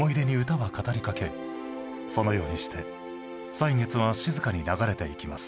そのようにして歳月は静かに流れていきます。